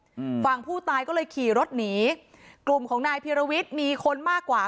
อืมฝั่งผู้ตายก็เลยขี่รถหนีกลุ่มของนายพีรวิทย์มีคนมากกว่า